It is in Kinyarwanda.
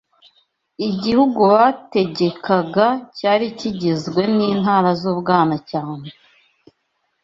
Igihugu bategekaga cyari kigizwe n’intara z’u Bwanacyambwe